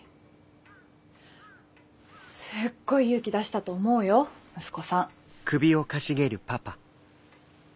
すっごい勇気出したと思うよ息子さん。